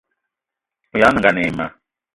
O ayag' nengan ayi ma